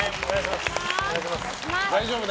大丈夫ね？